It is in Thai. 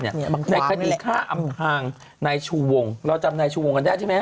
ในคดีฆ่าอำพางนายชูวงเราจำนายชูวงกันได้ใช่ไหม